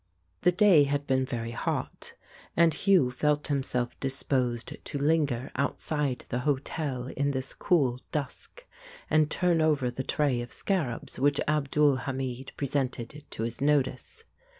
The day had been very hot, and Hugh felt himself disposed to linger outside the hotel in this cool dusk, and turn over the tray of scarabs which Abdul Hamid presented to his notice.